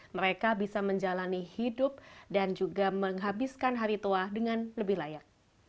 mereka bisa menjalani hidup dan juga menghabiskan hari tua dengan lebih layak